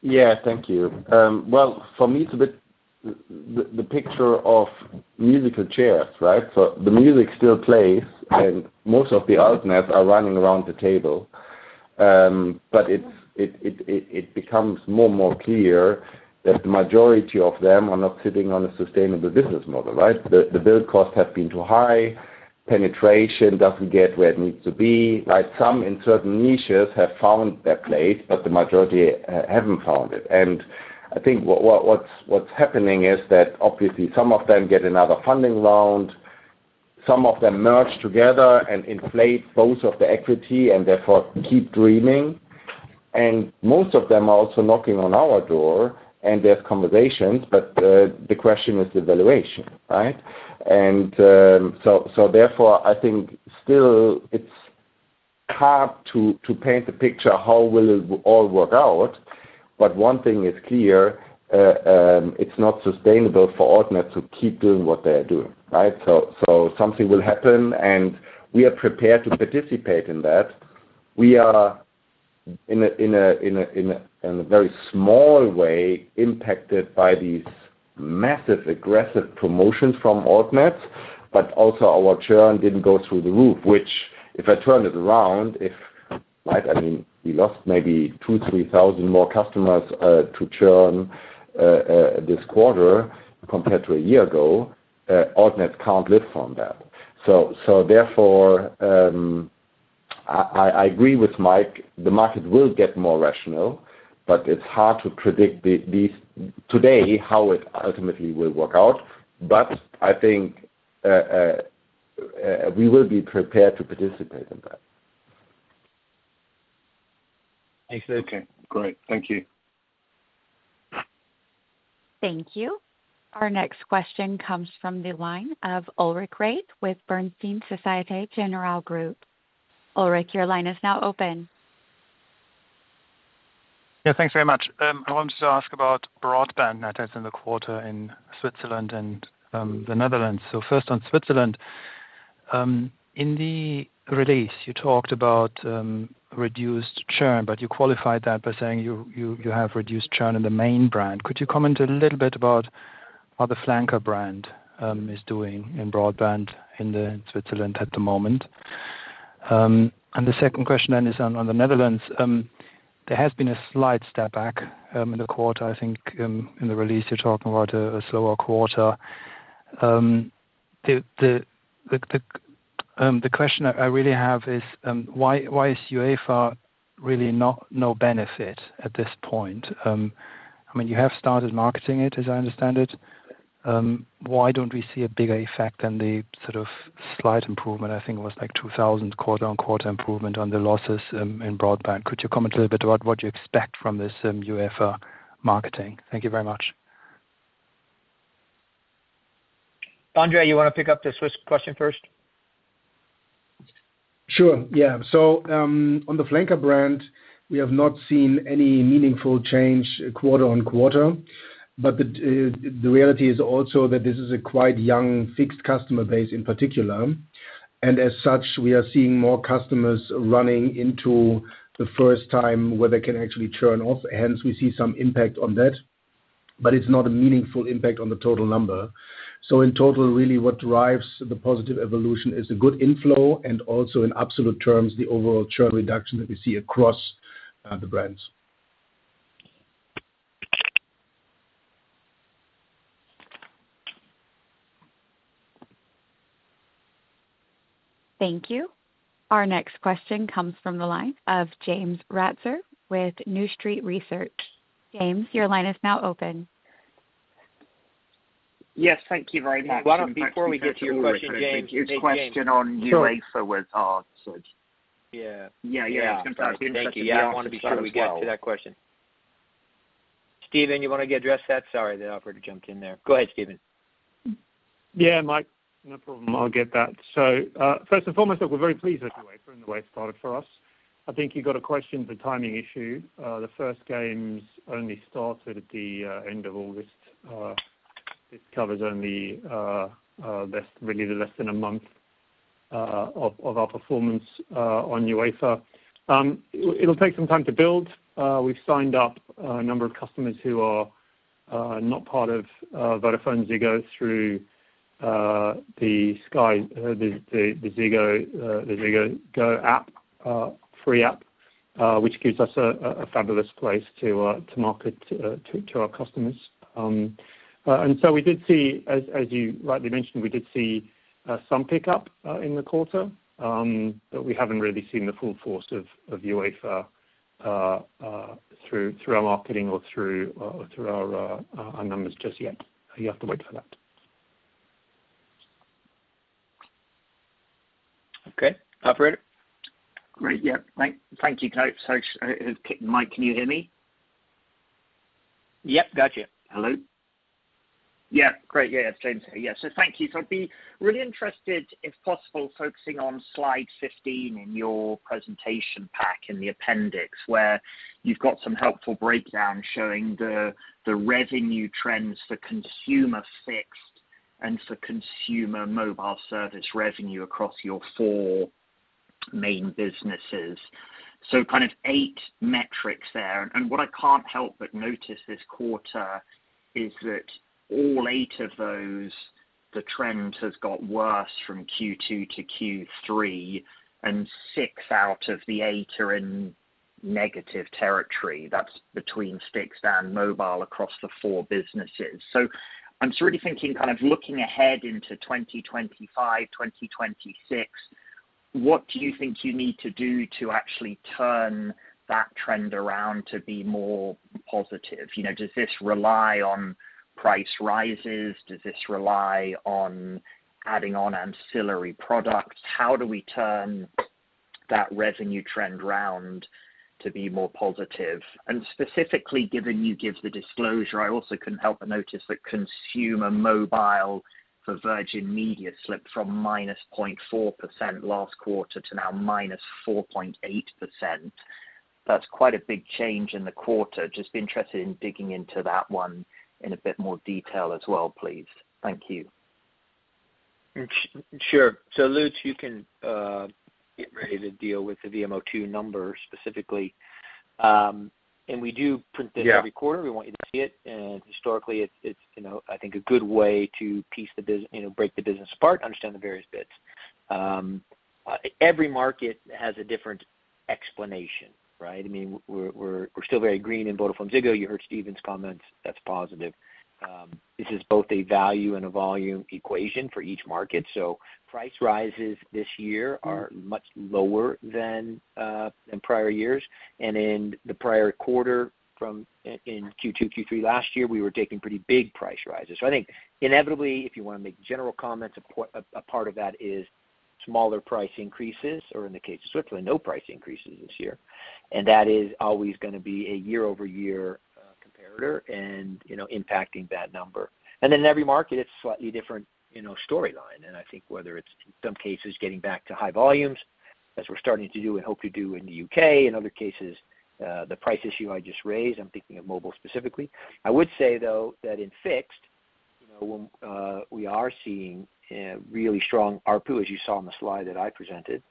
Yeah. Thank you. Well, for me, it's a bit the picture of musical chairs, right? So the music still plays, and most of the AltNets are running around the table. But it becomes more and more clear that the majority of them are not sitting on a sustainable business model, right? The build costs have been too high. Penetration doesn't get where it needs to be. Some in certain niches have found their place, but the majority haven't found it, and I think what's happening is that obviously some of them get another funding round. Some of them merge together and inflate both of the equity and therefore keep dreaming, and most of them are also knocking on our door, and there's conversations, but the question is the valuation, right, and so therefore, I think still it's hard to paint the picture how will it all work out, but one thing is clear, it's not sustainable for altnets to keep doing what they're doing, right, so something will happen, and we are prepared to participate in that. We are, in a very small way, impacted by these massive aggressive promotions from altnets, but also our churn didn't go through the roof, which if I turn it around, right, I mean, we lost maybe 2,000, 3,000 more customers to churn this quarter compared to a year ago. Altnets can't live from that. So therefore, I agree with Mike, the market will get more rational, but it's hard to predict today how it ultimately will work out. But I think we will be prepared to participate in that. Thanks, Lutz. Okay. Great. Thank you. Thank you. Our next question comes from the line of Ulrich Rathe with Bernstein Société Générale Group. Ulrich, your line is now open. Yeah, thanks very much. I wanted to ask about broadband adds in the quarter in Switzerland and the Netherlands. So, first on Switzerland, in the release, you talked about reduced churn, but you qualified that by saying you have reduced churn in the main brand. Could you comment a little bit about how the flanker brand is doing in broadband in Switzerland at the moment? And the second question then is on the Netherlands. There has been a slight step back in the quarter. I think in the release, you are talking about a slower quarter. The question I really have is, why is UEFA really no benefit at this point? I mean, you have started marketing it, as I understand it. Why do not we see a bigger effect than the sort of slight improvement? I think it was like 2,000 quarter-on-quarter improvement on the losses in broadband. Could you comment a little bit about what you expect from this UEFA marketing? Thank you very much. André, you want to pick up the Swiss question first? Sure. Yeah. So on the flanker brand, we have not seen any meaningful change quarter-on-quarter. But the reality is also that this is a quite young fixed customer base in particular. And as such, we are seeing more customers running into the first time where they can actually churn off. Hence, we see some impact on that. But it's not a meaningful impact on the total number. So in total, really, what drives the positive evolution is a good inflow and also in absolute terms, the overall churn reduction that we see across the brands. Thank you. Our next question comes from the line of James Ratzer with New Street Research. James, your line is now open. Yes. Thank you very much. Before we get to your question, James, your question on UEFA was answered. Yeah. Yeah. Yeah. It's going to start being tricky. Yeah. I want to be sure we get to that question. Stephen, you want to address that? Sorry, the operator jumped in there. Go ahead, Stephen. Yeah, Mike. No problem. I'll get that. So first and foremost, we're very pleased with UEFA and the way it started for us. I think you got a question for timing issue. The first games only started at the end of August. This covers only really less than a month of our performance on UEFA. It'll take some time to build. We've signed up a number of customers who are not part of VodafoneZiggo through the Ziggo app, free app, which gives us a fabulous place to market to our customers. And so we did see, as you rightly mentioned, we did see some pickup in the quarter, but we haven't really seen the full force of UEFA through our marketing or through our numbers just yet. You have to wait for that. Okay. Operator? Great. Yeah. Thank you. Mike, can you hear me? Yep. Gotcha. Hello. Yeah. Great. Yeah. It's James. Yeah. So thank you. So I'd be really interested, if possible, focusing on slide 15 in your presentation pack in the appendix where you've got some helpful breakdown showing the revenue trends for consumer fixed and for consumer mobile service revenue across your four main businesses. So kind of eight metrics there. And what I can't help but notice this quarter is that all eight of those, the trend has got worse from Q2 to Q3, and six out of the eight are in negative territory. That's between fixed and mobile across the four businesses, so I'm really thinking kind of looking ahead into 2025, 2026, what do you think you need to do to actually turn that trend around to be more positive? Does this rely on price rises? Does this rely on adding on ancillary products? How do we turn that revenue trend round to be more positive? And specifically, given you give the disclosure, I also couldn't help but notice that consumer mobile for Virgin Media slipped from -0.4% last quarter to now -4.8%. That's quite a big change in the quarter. Just interested in digging into that one in a bit more detail as well, please. Thank you. Sure, so Lutz, you can get ready to deal with the VMO2 number specifically, and we do print this every quarter. We want you to see it. Historically, it's, I think, a good way to break the business apart, understand the various bits. Every market has a different explanation, right? I mean, we're still very green in VodafoneZiggo. You heard Stephen's comments. That's positive. This is both a value and a volume equation for each market. So price rises this year are much lower than prior years. And in the prior quarter in Q2, Q3 last year, we were taking pretty big price rises. So I think inevitably, if you want to make general comments, a part of that is smaller price increases, or in the case of Switzerland, no price increases this year. And that is always going to be a year-over-year comparator and impacting that number. And then in every market, it's a slightly different storyline. I think whether it's in some cases getting back to high volumes, as we're starting to do and hope to do in the UK, in other cases, the price issue I just raised, I'm thinking of mobile specifically. I would say, though, that in fixed, we are seeing really strong ARPU, as you saw on the slide that I presented,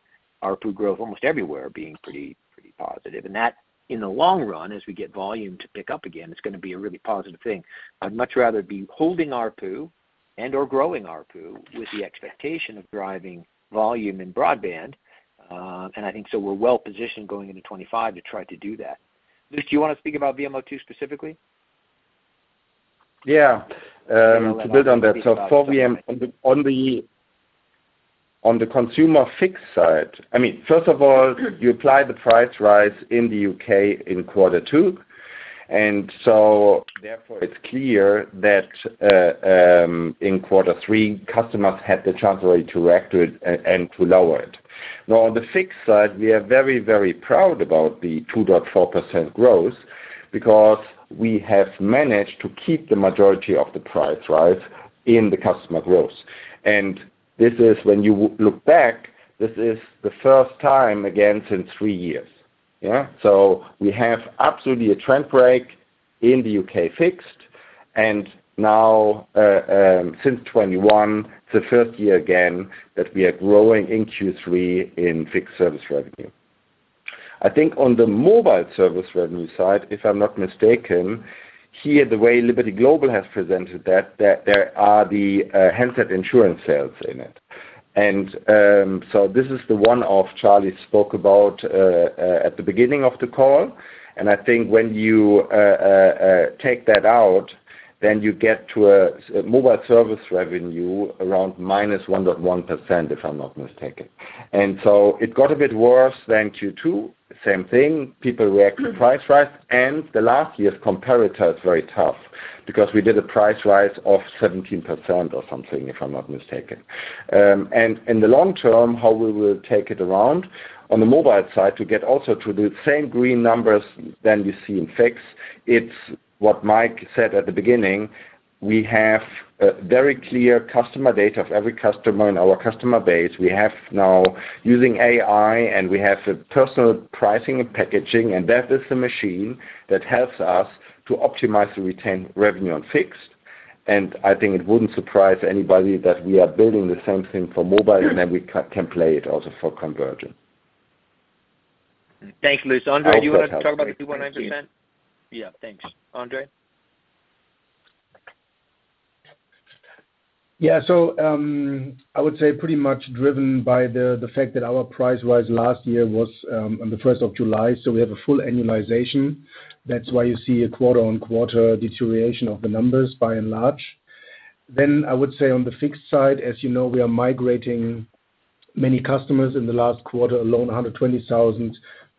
ARPU growth almost everywhere being pretty positive. And that, in the long run, as we get volume to pick up again, it's going to be a really positive thing. I'd much rather be holding ARPU and/or growing ARPU with the expectation of driving volume in broadband. And I think so we're well positioned going into 2025 to try to do that. Lutz, do you want to speak about VMO2 specifically? Yeah. To build on that, so on the consumer fixed side, I mean, first of all, you apply the price rise in the UK in quarter two. And so therefore, it's clear that in quarter three, customers had the chance already to react to it and to lower it. Now, on the fixed side, we are very, very proud about the 2.4% growth because we have managed to keep the majority of the price rise in the customer growth. And this is, when you look back, this is the first time again since three years. Yeah? So we have absolutely a trend break in the UK fixed. And now, since 2021, it's the first year again that we are growing in Q3 in fixed service revenue. I think on the mobile service revenue side, if I'm not mistaken, here, the way Liberty Global has presented that, there are the handset insurance sales in it, and so this is the one-off Charlie spoke about at the beginning of the call, and I think when you take that out, then you get to a mobile service revenue around -1.1%, if I'm not mistaken, and so it got a bit worse than Q2. Same thing, people react to price rise, and the last year's comparator is very tough because we did a price rise of 17% or something, if I'm not mistaken, and in the long term, how we will turn it around on the mobile side to get also to the same green numbers than you see in fixed, it's what Mike said at the beginning. We have very clear customer data of every customer in our customer base. We have now using AI, and we have a personal pricing and packaging. And that is the machine that helps us to optimize to retain revenue on fixed. And I think it wouldn't surprise anybody that we are building the same thing for mobile, and then we can play it also for conversion. Thanks, Lutz. André, do you want to talk about the 2.9%? Yeah. Thanks. André? Yeah. So I would say pretty much driven by the fact that our price rise last year was on the 1st of July. So we have a full annualization. That's why you see a quarter-on-quarter deterioration of the numbers by and large. Then I would say on the fixed side, as you know, we are migrating many customers in the last quarter alone, 120,000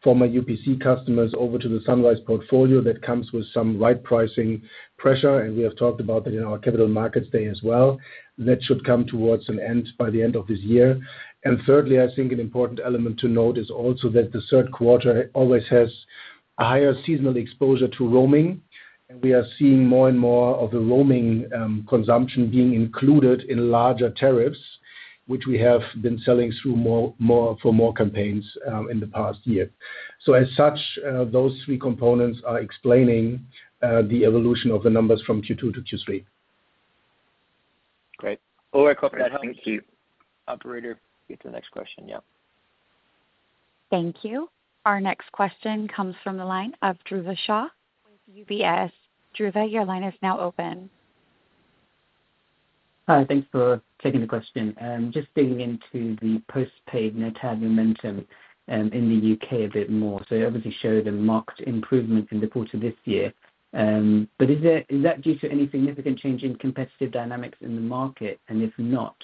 former UPC customers over to the Sunrise portfolio that comes with some right pricing pressure. And we have talked about that in our capital markets day as well. That should come towards an end by the end of this year. And thirdly, I think an important element to note is also that the third quarter always has a higher seasonal exposure to roaming. And we are seeing more and more of the roaming consumption being included in larger tariffs, which we have been selling through for more campaigns in the past year. So as such, those three components are explaining the evolution of the numbers from Q2 to Q3. Great. Ulrich, hope that helps. Thank you. Operator, get to the next question. Yeah. Thank you. Our next question comes from the line of Dhruv Shah with UBS. Dhruv, your line is now open. Hi. Thanks for taking the question. Just digging into the postpaid net add momentum in the UK a bit more. So it obviously showed a marked improvement in the quarter this year. But is that due to any significant change in competitive dynamics in the market? And if not,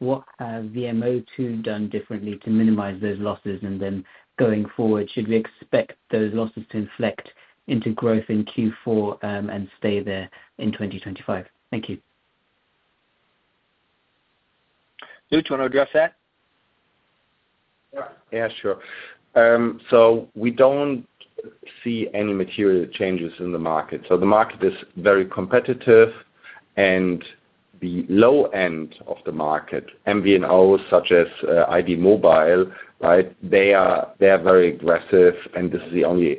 what has VMO2 done differently to minimize those losses? And then going forward, should we expect those losses to inflect into growth in Q4 and stay there in 2025? Thank you. Lutz, you want to address that? Yeah. Yeah. Sure. So we don't see any material changes in the market. So the market is very competitive. And the low end of the market, MVNOs such as iD Mobile, right, they are very aggressive. This is the only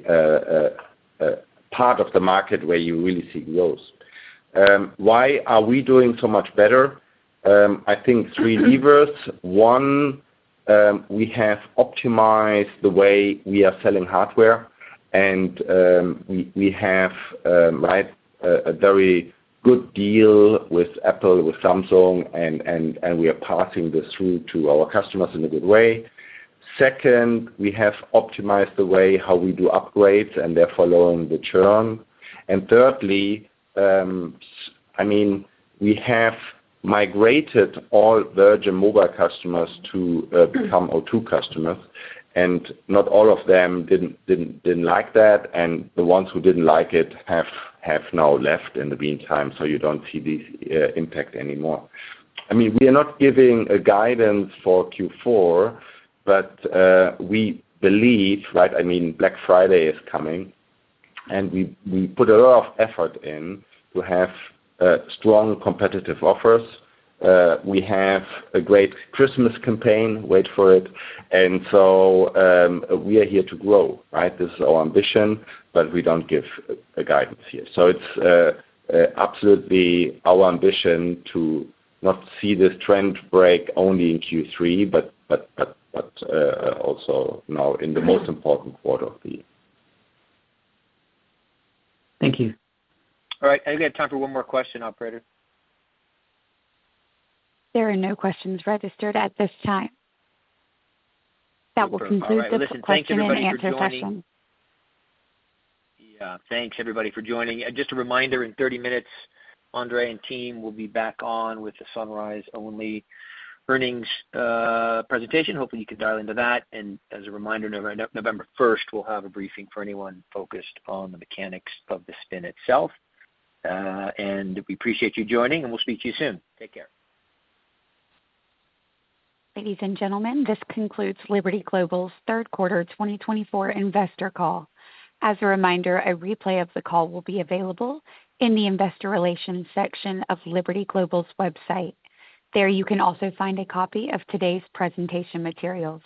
part of the market where you really see growth. Why are we doing so much better? I think three levers. One, we have optimized the way we are selling hardware. We have, right, a very good deal with Apple, with Samsung, and we are passing this through to our customers in a good way. Second, we have optimized the way how we do upgrades and therefore lowering the churn. Thirdly, I mean, we have migrated all Virgin Mobile customers to become O2 customers. Not all of them didn't like that. The ones who didn't like it have now left in the meantime. You don't see the impact anymore. I mean, we are not giving guidance for Q4, but we believe, right, I mean, Black Friday is coming. We put a lot of effort in to have strong competitive offers. We have a great Christmas campaign. Wait for it, and so we are here to grow, right? This is our ambition, but we don't give guidance here. So it's absolutely our ambition to not see this trend break only in Q3, but also now in the most important quarter of the year. Thank you. All right. I think we have time for one more question, Operator. There are no questions registered at this time. That will conclude the question and answer session. Yeah. Thanks, everybody, for joining. Just a reminder, in 30 minutes, André and team will be back on with the Sunrise-only earnings presentation. Hopefully, you can dial into that, and as a reminder, November 1st, we'll have a briefing for anyone focused on the mechanics of the spin itself, and we appreciate you joining, and we'll speak to you soon. Take care. Ladies and gentlemen, this concludes Liberty Global's third quarter 2024 investor call. As a reminder, a replay of the call will be available in the investor relations section of Liberty Global's website. There you can also find a copy of today's presentation materials.